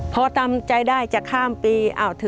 พอทำใจได้จะข้ามปี